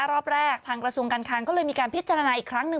รอบแรกทางกระทรวงการคลังก็เลยมีการพิจารณาอีกครั้งหนึ่ง